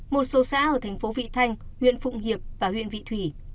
một số xã ở thành phố vị thanh huyện phụng hiệp và huyện vị thủy